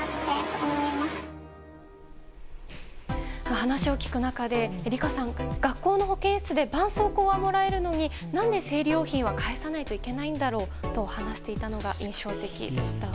話を聞く中で、リカさん学校の保健室でばんそうこうはもらえるのに何で生理用品は返さないといけないんだろうと話していたのが印象的でした。